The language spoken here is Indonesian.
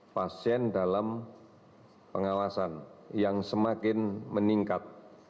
pasien dalam pengawasan yang semakin meningkat